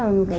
tức là khi